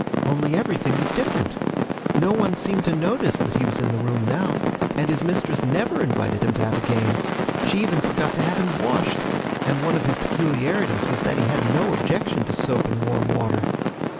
Only everything was different. No one seemed to notice that he was in the room now, and his mistress never invited him to have a game; she even forgot to have him washed and one of his peculiarities was that he had no objection to soap and warm water.